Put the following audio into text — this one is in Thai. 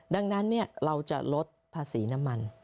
ดังนั้นเราจะลดภาษีน้ำมัน